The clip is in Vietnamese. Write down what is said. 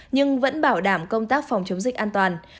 nhưng vẫn bảo đảm công tác phòng chống dịch an toàn